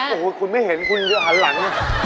โอ๊ยคุณไม่เห็นคุณหันหลัง